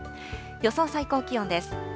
予想最高気温です。